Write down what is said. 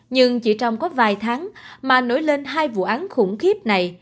nhưng chỉ trong có vài tháng mà nổi lên hai vụ án khủng khiếp này